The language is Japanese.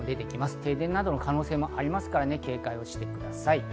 停電などの可能性もあるので警戒してください。